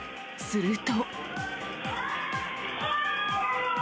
すると。